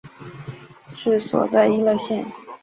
治所在溢乐县。